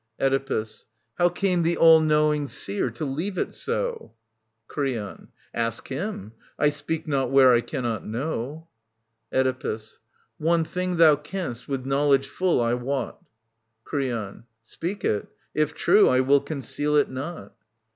Oedipus. How came vhe all knowing seer to leave it so ? Creon. Ask him I 1 speak not where I cannot know. Oedipus. One thing thmi canst, with knowledge full, I wot Creon. Speak it. If true, I will conceal it not.